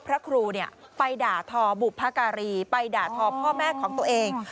พระครูไปด่าทอบุพการีไปด่าทอพ่อแม่ของตัวเอง